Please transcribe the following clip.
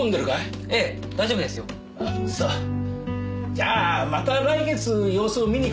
じゃあまた来月様子を見に来るから。